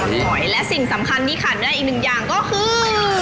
หอยและสิ่งสำคัญที่ขาดไม่ได้อีกหนึ่งอย่างก็คือ